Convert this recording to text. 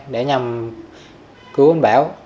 để nhằm cứu ông bảo